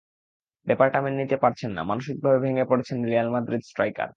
ব্যাপারটা মেনে নিতে পারছেন না, মানসিকভাবে ভেঙে পড়েছেন রিয়াল মাদ্রিদ স্ট্রাইকার।